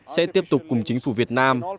sẽ tiếp tục cùng chính phủ việt nam